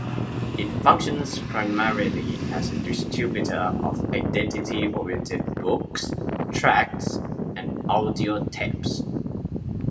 It functions primarily as a distributor of Identity-oriented books, tracts and audiotapes.